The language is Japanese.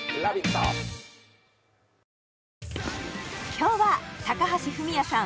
今日は高橋文哉さん